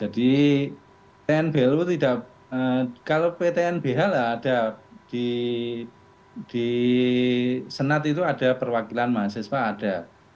jadi ptn bhlu tidak kalau ptn bhlu ada di senat itu ada perwakilan mahasiswa ada